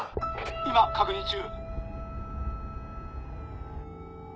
今確認中。